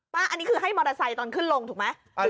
อันนี้คือให้มอเตอร์ไซค์ตอนขึ้นลงถูกไหม